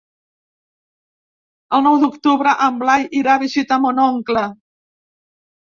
El nou d'octubre en Blai irà a visitar mon oncle.